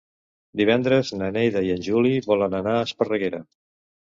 Divendres na Neida i en Juli volen anar a Esparreguera.